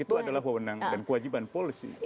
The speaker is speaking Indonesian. itu adalah wewenang dan kewajiban polisi